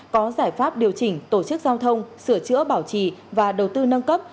có giải pháp điều chỉnh tổ chức giao thông sửa chữa bảo trì và đầu tư nâng cấp